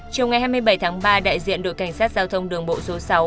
chiều ngày hai mươi bảy tháng ba đại diện đội cảnh sát giao thông đường bộ số sáu